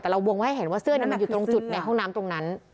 แต่เราวงไว้ให้เห็นว่าเสื้อนั้นมันอยู่ตรงจุดในห้องน้ำตรงนั้น